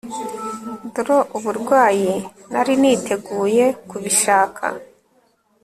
Thro uburwayi Nari niteguye kubishaka